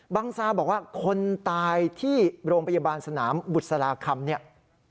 ซาบอกว่าคนตายที่โรงพยาบาลสนามบุษราคำเนี่ย